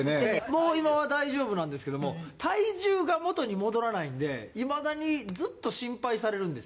もう今は大丈夫なんですけども体重が元に戻らないんでいまだにずっと心配されるんですよね。